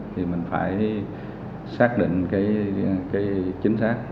thì mình phải xác định cái chính xác